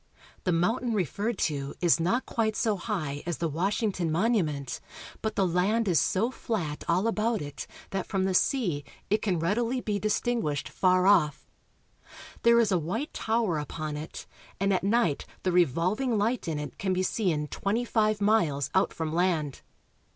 The mountain referred to is not quite so high as the Wash ington Monument, but the land is so flat all about it Montevideo. that from the sea it can readily be distinguished far off. There is a white tower upon it, and at night the revolving light in it can be seen twenty five miles out from land.